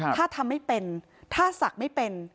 ถ้าทำไม่เป็นถ้าศักดิ์ไม่เป็น